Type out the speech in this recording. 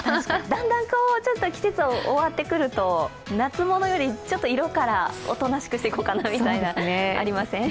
だんだん季節が終わってくると、夏物より、ちょっと色からおとなしくしていこうかなみたいな、ありません？